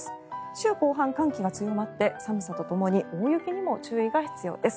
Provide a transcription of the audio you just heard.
週後半、寒気は強まって寒さとともに大雪にも注意が必要です。